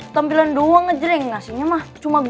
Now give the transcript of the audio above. tampilan doang aja ngasihnya mah cuma goceng